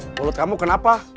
menurut kamu kenapa